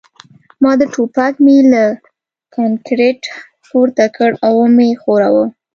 ما د ټوپک میل له کانکریټ پورته کړ او ومې ښوراوه